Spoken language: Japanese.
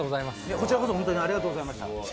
こちらこそ本当にありがとうございました。